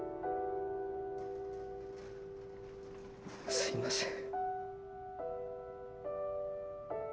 すいません。